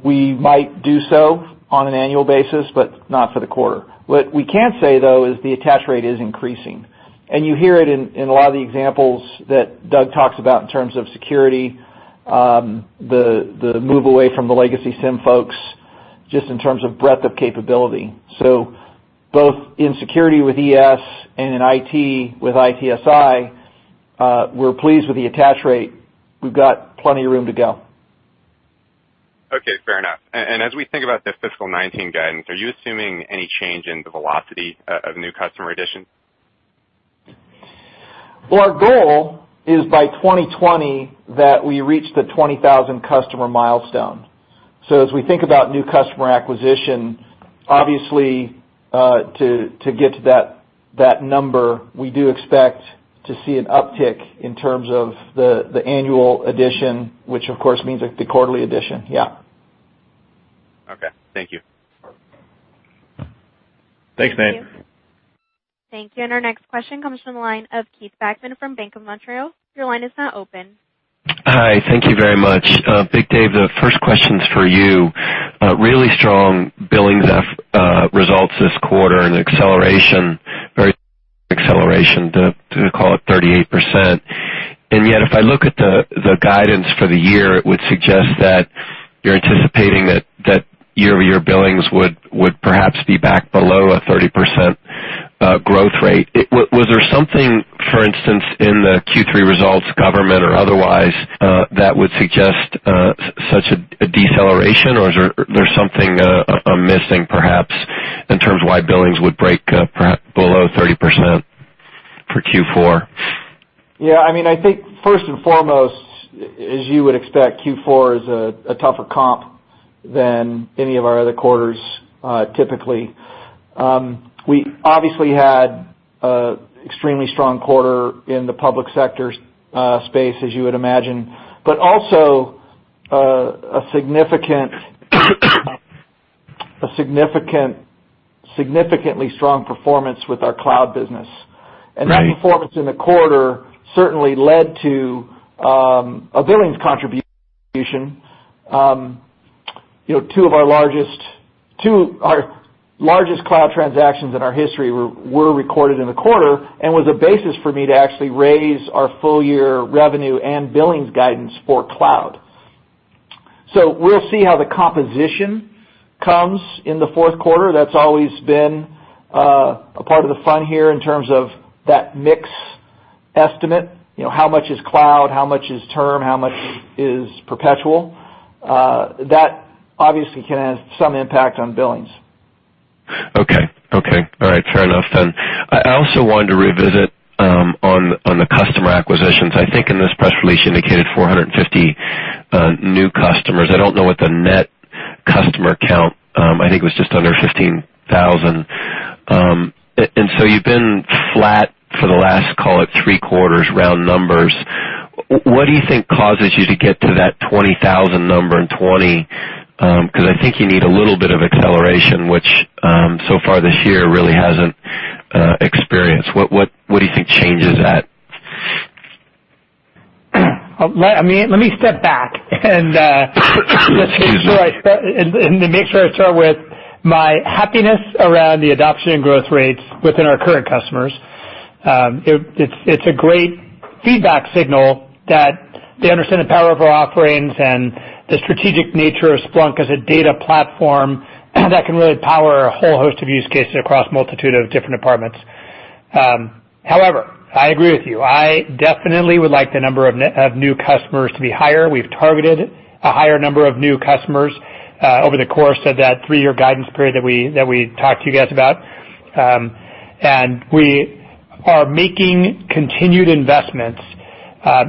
We might do so on an annual basis, but not for the quarter. What we can say, though, is the attach rate is increasing. You hear it in a lot of the examples that Doug talks about in terms of security, the move away from the legacy SIEM folks, just in terms of breadth of capability. Both in security with ES and in IT with ITSI, we're pleased with the attach rate. We've got plenty of room to go. Okay, fair enough. As we think about the fiscal 2019 guidance, are you assuming any change in the velocity of new customer additions? Well, our goal is by 2020 that we reach the 20,000 customer milestone. As we think about new customer acquisition, obviously, to get to that number, we do expect to see an uptick in terms of the annual addition, which of course means the quarterly addition, yeah. Okay, thank you. Thanks, Nate. Thank you. Our next question comes from the line of Keith Bachman from Bank of Montreal. Your line is now open. Hi, thank you very much. Big Dave, the first question's for you. Really strong billings results this quarter and acceleration, very acceleration to call it 38%. Yet, if I look at the guidance for the year, it would suggest that you're anticipating that year-over-year billings would perhaps be back below a 30% growth rate. Was there something, for instance, in the Q3 results, government or otherwise, that would suggest such a deceleration, or is there something I'm missing perhaps in terms of why billings would break below 30% for Q4? Yeah, I think first and foremost, as you would expect, Q4 is a tougher comp than any of our other quarters, typically. We obviously had an extremely strong quarter in the public sector space, as you would imagine, but also a significantly strong performance with our cloud business. Right. That performance in the quarter certainly led to a billings contribution. Two of our largest cloud transactions in our history were recorded in the quarter and was a basis for me to actually raise our full-year revenue and billings guidance for cloud. We'll see how the composition comes in the fourth quarter. That's always been a part of the fun here in terms of that mix estimate. How much is cloud? How much is term? How much is perpetual? That obviously can have some impact on billings. Okay. All right. Fair enough then. I also wanted to revisit on the customer acquisitions. I think in this press release you indicated 450 new customers. I don't know what the net customer count, I think it was just under 15,000. You've been flat for the last, call it three quarters, round numbers. What do you think causes you to get to that 20,000 number in 2020? Because I think you need a little bit of acceleration, which so far this year really hasn't experienced. What do you think changes that? Let me step back. Excuse me I make sure I start with my happiness around the adoption and growth rates within our current customers. It's a great feedback signal that they understand the power of our offerings and the strategic nature of Splunk as a data platform that can really power a whole host of use cases across a multitude of different departments. However, I agree with you. I definitely would like the number of new customers to be higher. We've targeted a higher number of new customers over the course of that three-year guidance period that we talked to you guys about. We are making continued investments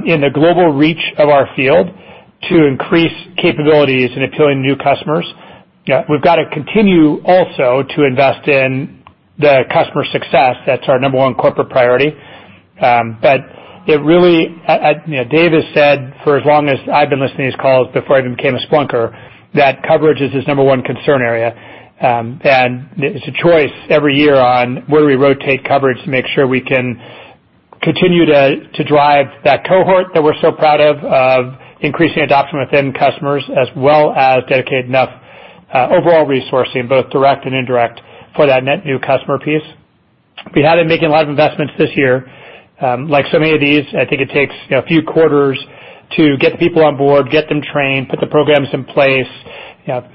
in the global reach of our field to increase capabilities in appealing to new customers. Yeah. We've got to continue also to invest in the customer success. That's our number one corporate priority. Dave has said for as long as I've been listening to these calls before I even became a Splunker, that coverage is his number one concern area. It's a choice every year on where we rotate coverage to make sure we can continue to drive that cohort that we're so proud of increasing adoption within customers as well as dedicate enough overall resourcing, both direct and indirect, for that net new customer piece. We have been making a lot of investments this year. Like so many of these, I think it takes a few quarters to get people on board, get them trained, put the programs in place,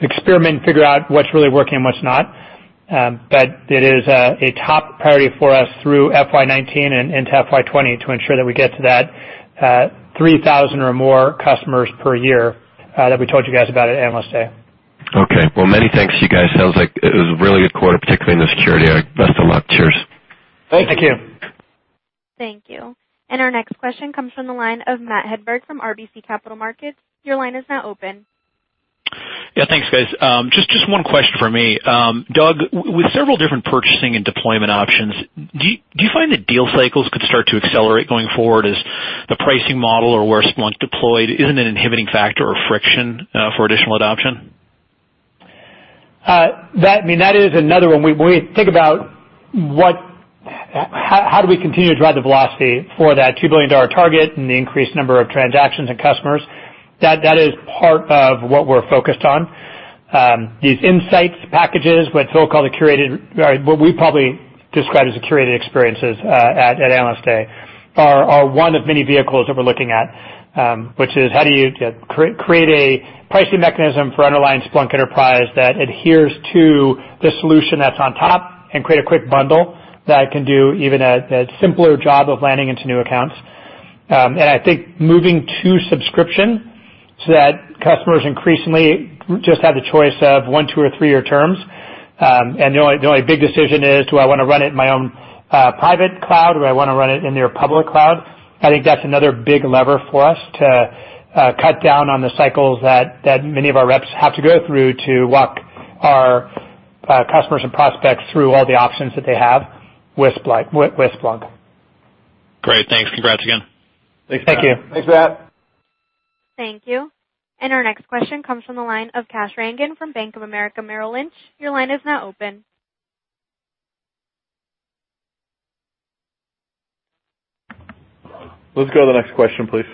experiment, and figure out what's really working and what's not. It is a top priority for us through FY 2019 and into FY 2020 to ensure that we get to that 3,000 or more customers per year that we told you guys about at Analyst Day. Okay. Well, many thanks to you guys. Sounds like it was a really good quarter, particularly in the security area. Best of luck. Cheers. Thank you. Thank you. Our next question comes from the line of Matthew Hedberg from RBC Capital Markets. Your line is now open. Yeah. Thanks, guys. Just one question from me. Doug, with several different purchasing and deployment options, do you find that deal cycles could start to accelerate going forward as the pricing model or where Splunk's deployed isn't an inhibiting factor or friction for additional adoption? That is another one. When we think about how do we continue to drive the velocity for that $2 billion target and the increased number of transactions and customers, that is part of what we're focused on. These insights packages, what Phil called the curated, what we probably described as the curated experiences at Analyst Day, are one of many vehicles that we're looking at, which is how do you create a pricing mechanism for underlying Splunk Enterprise that adheres to the solution that's on top, and create a quick bundle that can do even a simpler job of landing into new accounts. I think moving to subscription so that customers increasingly just have the choice of one, two, or three-year terms. The only big decision is, do I want to run it in my own private cloud, or do I want to run it in their public cloud? I think that's another big lever for us to cut down on the cycles that many of our reps have to go through to walk our customers and prospects through all the options that they have with Splunk. Great. Thanks. Congrats again. Thank you. Thanks, Matt. Thank you. Our next question comes from the line of Kash Rangan from Bank of America Merrill Lynch. Your line is now open. Let's go to the next question, please.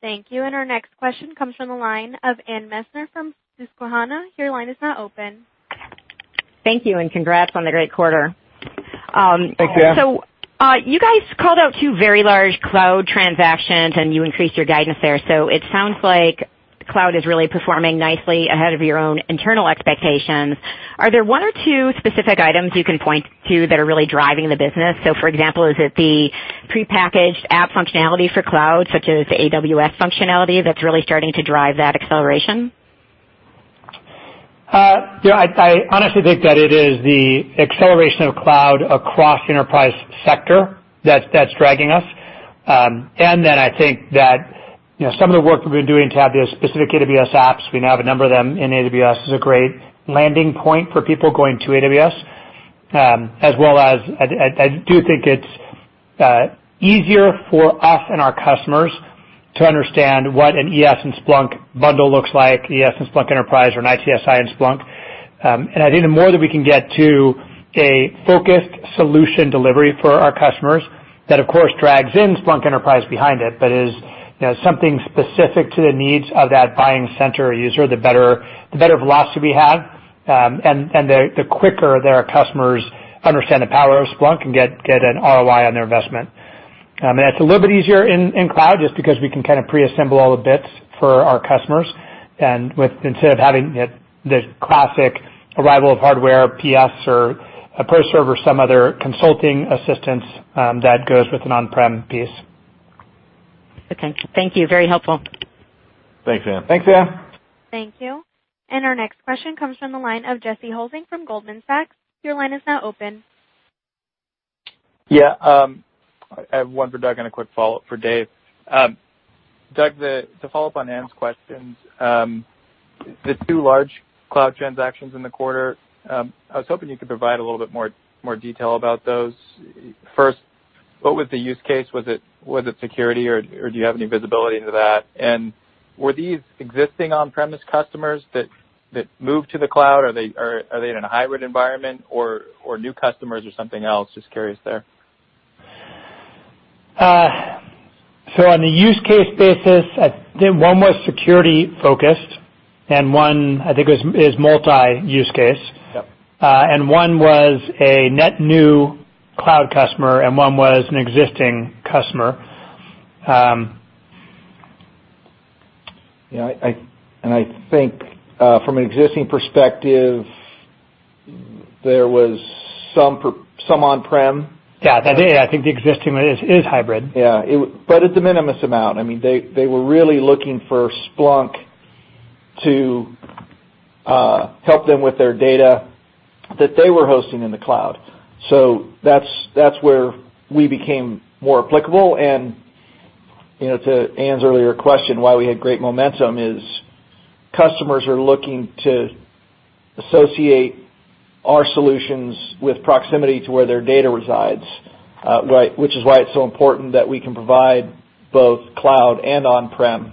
Thank you. Our next question comes from the line of Anne Messner from Susquehanna. Your line is now open. Thank you. Congrats on the great quarter. Thanks, Anne. You guys called out two very large cloud transactions, and you increased your guidance there. It sounds like cloud is really performing nicely ahead of your own internal expectations. Are there one or two specific items you can point to that are really driving the business? For example, is it the prepackaged app functionality for cloud, such as AWS functionality, that's really starting to drive that acceleration? I honestly think that it is the acceleration of cloud across the enterprise sector that's dragging us. I think that some of the work we've been doing to have the specific AWS apps, we now have a number of them in AWS, is a great landing point for people going to AWS, as well as I do think it's easier for us and our customers to understand what an ES and Splunk bundle looks like, ES and Splunk Enterprise or an ITSI and Splunk. I think the more that we can get to a focused solution delivery for our customers, that of course drags in Splunk Enterprise behind it, but is something specific to the needs of that buying center user, the better velocity we have, and the quicker that our customers understand the power of Splunk and get an ROI on their investment. It's a little bit easier in cloud just because we can preassemble all the bits for our customers and instead of having the classic arrival of hardware, PS or a ProServ or some other consulting assistance that goes with an on-prem piece. Okay. Thank you. Very helpful. Thanks, Anne. Thanks, Anne. Thank you. Our next question comes from the line of Jesse Hulsing from Goldman Sachs. Your line is now open. Yeah. I have one for Doug and a quick follow-up for Dave. Doug, to follow up on Anne's questions, the two large cloud transactions in the quarter, I was hoping you could provide a little bit more detail about those. First, what was the use case? Was it security or do you have any visibility into that? Were these existing on-premise customers that moved to the cloud? Are they in a hybrid environment or new customers or something else? Just curious there. On the use case basis, I think one was security focused and one I think is multi-use case. Yep. One was a net new cloud customer and one was an existing customer. I think from an existing perspective, there was some on-prem. Yeah, I think the existing is hybrid. Yeah. It's a de minimis amount. They were really looking for Splunk to help them with their data that they were hosting in the cloud. That's where we became more applicable. To Anne's earlier question, why we had great momentum is customers are looking to associate our solutions with proximity to where their data resides, which is why it's so important that we can provide both cloud and on-prem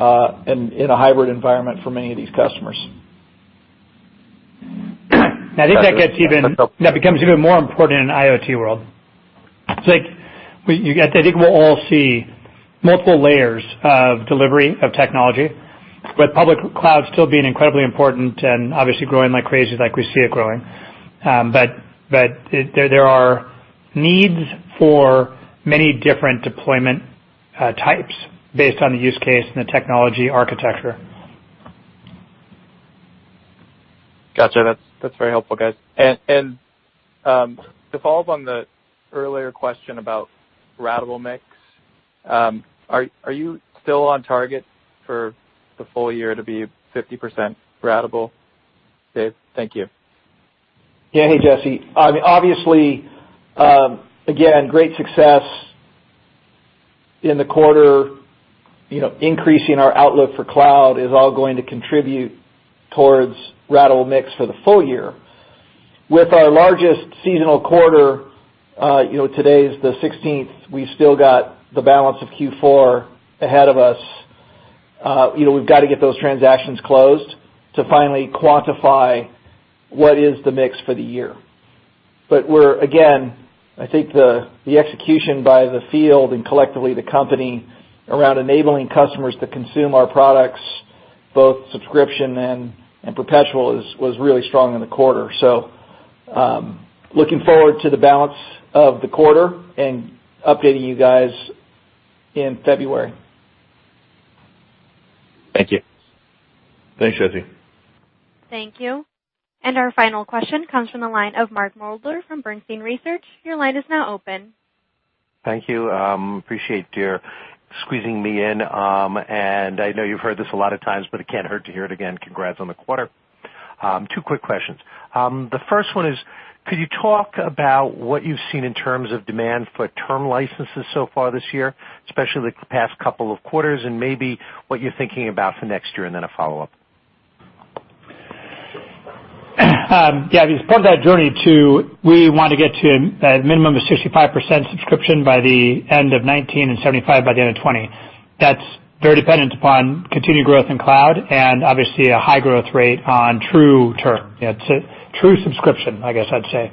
in a hybrid environment for many of these customers. I think that becomes even more important in an IoT world. I think we'll all see multiple layers of delivery of technology, with public cloud still being incredibly important and obviously growing like crazy like we see it growing. There are needs for many different deployment types based on the use case and the technology architecture. Got you. That's very helpful, guys. To follow up on the earlier question about ratable mix, are you still on target for the full year to be 50% ratable? Dave? Thank you. Yeah. Hey, Jesse. Obviously, again, great success in the quarter. Increasing our outlook for cloud is all going to contribute towards ratable mix for the full year. With our largest seasonal quarter, today is the 16th, we still got the balance of Q4 ahead of us. We've got to get those transactions closed to finally quantify what is the mix for the year. We're, again, I think the execution by the field and collectively the company around enabling customers to consume our products, both subscription and perpetual, was really strong in the quarter. Looking forward to the balance of the quarter and updating you guys in February. Thank you. Thanks, Jesse. Thank you. Our final question comes from the line of Mark Moerdler from Bernstein Research. Your line is now open. Thank you. Appreciate your squeezing me in. I know you've heard this a lot of times, but it can't hurt to hear it again. Congrats on the quarter. Two quick questions. The first one is, could you talk about what you've seen in terms of demand for term licenses so far this year, especially the past couple of quarters, and maybe what you're thinking about for next year, and then a follow-up. Yeah. As part of that journey, we want to get to a minimum of 65% subscription by the end of 2019, and 75% by the end of 2020. That's very dependent upon continued growth in cloud and obviously a high growth rate on true term. It's a true subscription, I guess I'd say,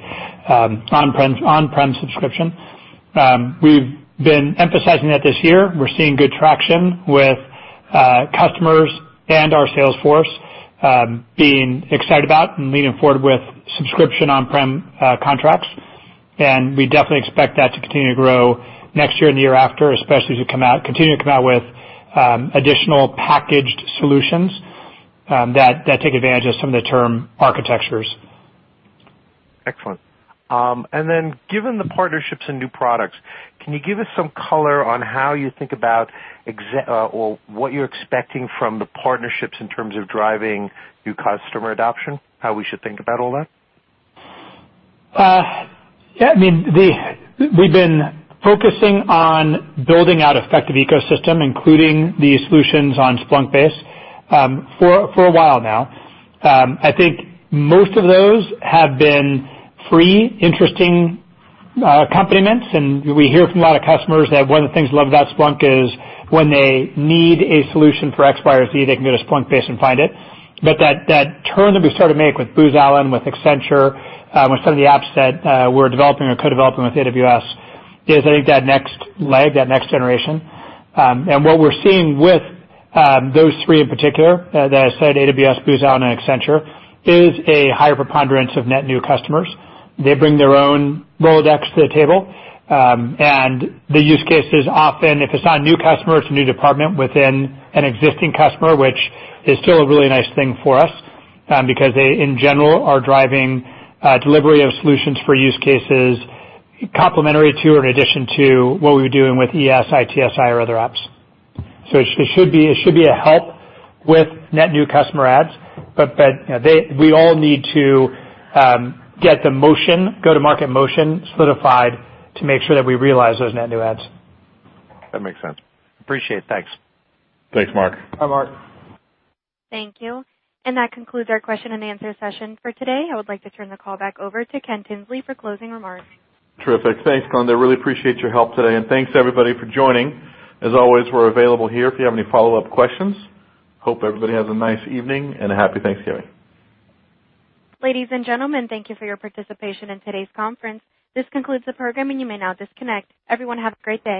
on-prem subscription. We've been emphasizing that this year. We're seeing good traction with customers and our sales force being excited about and leaning forward with subscription on-prem contracts. We definitely expect that to continue to grow next year and the year after, especially as we continue to come out with additional packaged solutions that take advantage of some of the term architectures. Excellent. Given the partnerships and new products, can you give us some color on how you think about, or what you're expecting from the partnerships in terms of driving new customer adoption? How we should think about all that? Yeah. We've been focusing on building out effective ecosystem, including the solutions on Splunkbase, for a while now. I think most of those have been free, interesting accompaniments, and we hear from a lot of customers that one of the things they love about Splunk is when they need a solution for X, Y, or Z, they can go to Splunkbase and find it. That turn that we started to make with Booz Allen, with Accenture, with some of the apps that we're developing or co-developing with AWS is, I think, that next leg, that next generation. What we're seeing with those three in particular, as I said, AWS, Booz Allen and Accenture, is a higher preponderance of net new customers. They bring their own Rolodex to the table, and the use case is often, if it's not a new customer, it's a new department within an existing customer, which is still a really nice thing for us, because they, in general, are driving delivery of solutions for use cases complimentary to or in addition to what we were doing with ES, ITSI or other apps. It should be a help with net new customer adds. We all need to get the go-to-market motion solidified to make sure that we realize those net new adds. That makes sense. Appreciate it. Thanks. Thanks, Mark. Bye, Mark. Thank you. That concludes our question and answer session for today. I would like to turn the call back over to Ken Tinsley for closing remarks. Terrific. Thanks, Glenda. Really appreciate your help today, and thanks everybody for joining. As always, we're available here if you have any follow-up questions. Hope everybody has a nice evening and a happy Thanksgiving. Ladies and gentlemen, thank you for your participation in today's conference. This concludes the program, and you may now disconnect. Everyone, have a great day.